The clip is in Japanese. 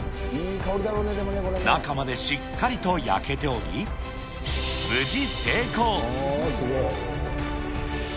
中までしっかりと焼けており、無事成功。